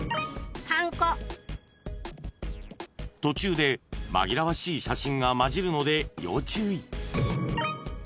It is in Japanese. ［途中で紛らわしい写真が交じるので要注意］